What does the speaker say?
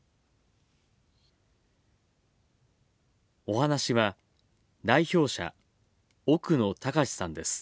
お話しは、代表者奥野卓志さんです。